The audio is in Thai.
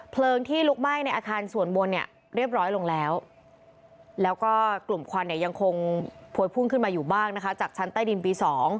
เพลิงที่ลุกไหม้ในอาคารส่วนบนเนี่ยเรียบร้อยลงแล้วแล้วก็กลุ่มควันเนี่ยยังคงพวยพุ่งขึ้นมาอยู่บ้างนะคะจากชั้นใต้ดินปี๒